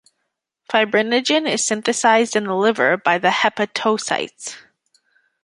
Fibrinogen is synthesized in the liver by the hepatocytes.